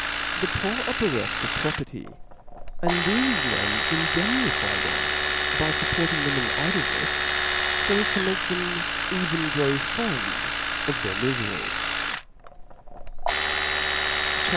The poor are bereft of proper ty ; and thefe men indemnify them by fupporting them in idlenefs, fo as to make them even grow fond of their mifery.